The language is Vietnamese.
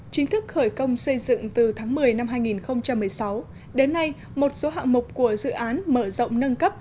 chính thức khởi công xây dựng từ tháng một mươi năm hai nghìn một mươi sáu đến nay một số hạng mục của dự án mở rộng nâng cấp